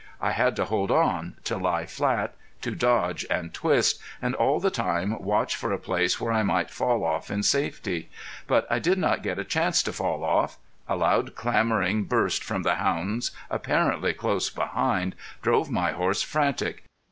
I had to hold on, to lie flat, to dodge and twist, and all the time watch for a place where I might fall off in safety. But I did not get a chance to fall off. A loud clamoring burst from the hounds apparently close behind drove my horse frantic.